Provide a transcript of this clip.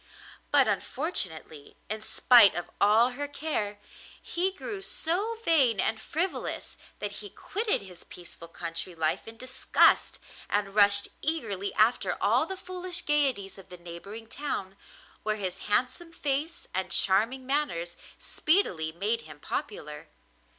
But unfortunately, in spite of all her care, he grew so vain and frivolous that he quitted his peaceful country life in disgust, and rushed eagerly after all the foolish gaieties of the neighbouring town, where his handsome face and charming manners speedily made him popular.